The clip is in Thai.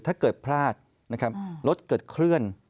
ถ้าเกิดพลาดนะครับรถเกิดเคลื่อน